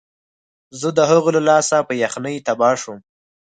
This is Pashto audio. زه د هغه له لاسه په یخنۍ تباه شوم